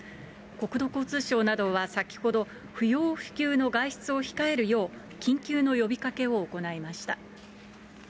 国土交通省などは先ほど、不要不急の外出を控えるよう緊急の呼びかけを行いました。